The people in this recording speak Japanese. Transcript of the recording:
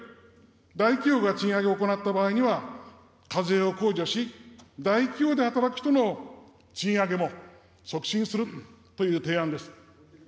大企業が賃上げを行った場合には、課税を控除し、大企業で働く人の賃上げも促進するという提案です。